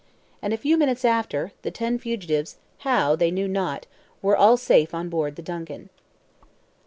And a few minutes after, the ten fugitives, how, they knew not, were all safe on board the DUNCAN.